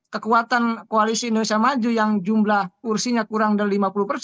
kekuatan koalisi indonesia maju yang jumlah kursinya kurang dari lima puluh persen